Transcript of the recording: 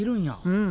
うん。